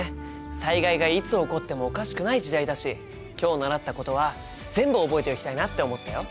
災害がいつ起こってもおかしくない時代だし今日習ったことは全部覚えておきたいなと思ったよ。